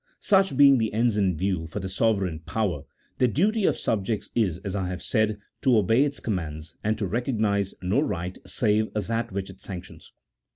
Such being the ends in view for the sovereign power, the duty of subjects is, as I have said, to obey its commands, and to recognize no right save that which it sanctions.